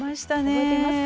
覚えていますか？